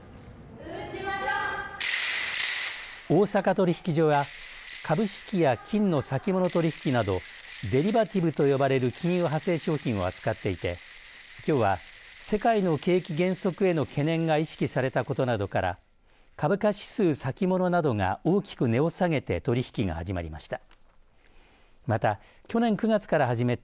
大阪取引所は株式や金の先物取引などデリバティブと呼ばれる金融派生商品を扱っていてきょうは世界の景気減速への懸念が意識されたことなどから株価、指数先物などが大きく値を下げて取り引きが始まりました。